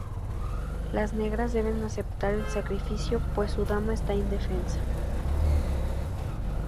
Las negras deben aceptar el sacrificio, pues su dama está indefensa.